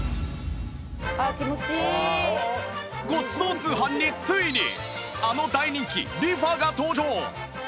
『ごちそう通販』についにあの大人気リファが登場！